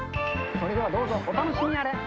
それではどうぞ、お楽しみあれ。